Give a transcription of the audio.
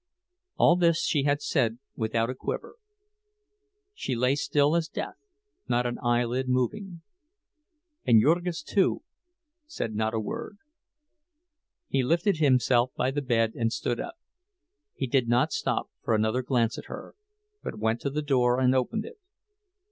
All this she had said without a quiver; she lay still as death, not an eyelid moving. And Jurgis, too, said not a word. He lifted himself by the bed, and stood up. He did not stop for another glance at her, but went to the door and opened it.